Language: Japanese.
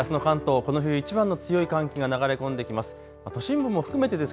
この冬いちばんの強い寒気が流れ込んできます。